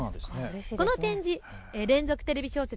この展示、連続テレビ小説